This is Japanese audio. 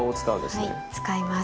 はい使います。